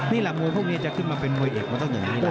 นี่แหละมวยพวกนี้จะขึ้นมาเป็นมวยเอกมันต้องอย่างนี้นะ